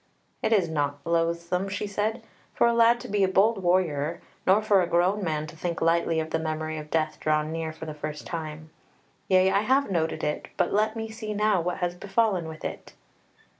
"It is naught loathsome," she said, "for a lad to be a bold warrior, nor for a grown man to think lightly of the memory of death drawn near for the first time. Yea, I have noted it but let me see now what has befallen with it."